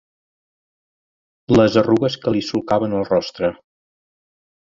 Les arrugues que li solcaven el rostre.